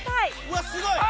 うわっすごい！